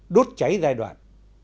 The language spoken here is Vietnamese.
đốt cháy giai đoạn